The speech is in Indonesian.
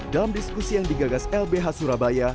dalam diskusi yang digagas lbh surabaya